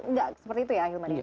enggak seperti itu ya ahilman ya